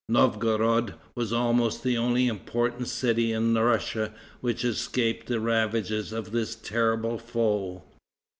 Novgorod was almost the only important city in Russia which escaped the ravages of this terrible foe.